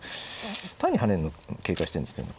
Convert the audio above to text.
単に跳ねんの警戒してんですけどね